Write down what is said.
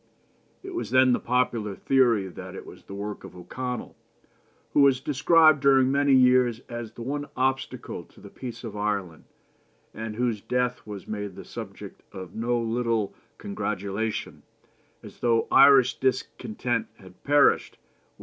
It was then the popular theory that it was the work of O'Connell, who was described during many years as the one obstacle to the peace of Ireland, and whose death was made the subject of no little congratulation, as though Irish discontent had perished with its organ.